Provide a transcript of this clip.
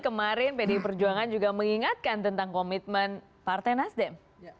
kemarin pdi perjuangan juga mengingatkan tentang komitmen partai nasdem